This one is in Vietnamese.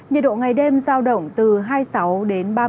nhiệt độ ngày đêm giao động từ hai mươi sáu đến ba mươi ba độ